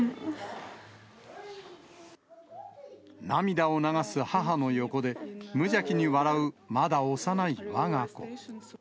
涙を流す母の横で、無邪気に笑う、まだ幼いわが子。